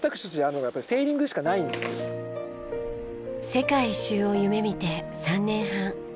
世界一周を夢見て３年半。